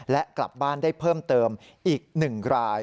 และกลับบ้านได้เพิ่มเติมอีก๑ราย